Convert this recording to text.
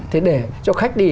thế để cho khách đi